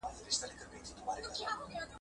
په لک ئې نه نيسي، په کک ئې ونيسي.